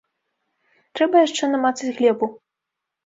Трэба яшчэ намацаць глебу.